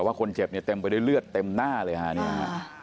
แต่ว่าคนเจ็บเนี่ยเต็มไปได้เลือดเต็มหน้าเลยฮะนี่ฮะ